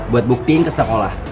buat buktiin ke sekolah